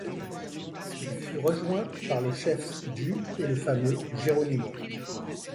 Ils furent rejoints par le chef Juh et le fameux Geronimo.